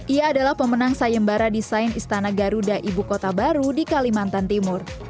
ia adalah pemenang sayembara desain istana garuda ibu kota baru di kalimantan timur